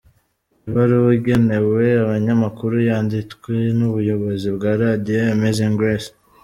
Ibaruwa igenewe abanyamakuru yanditwe n'ubuyozi bwa Radio Amazing Grace.